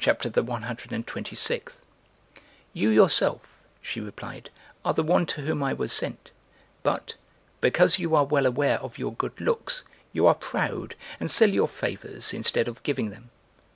CHAPTER THE ONE HUNDRED AND TWENTY SIXTH. ("You yourself," she replied, "are the one to whom I was sent but,) because you are well aware of your good looks, you are proud and sell your favors instead of giving them.